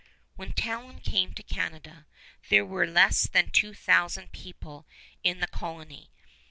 When Talon came to Canada there were less than two thousand people in the colony.